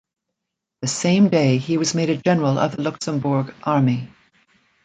The same day, he was made a General of the Luxembourg Army.